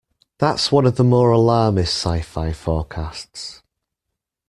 That's one of the more alarmist sci-fi forecasts.